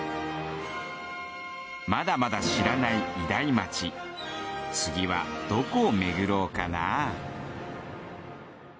まだまだ知らない偉大街次はどこを巡ろうかなぁ。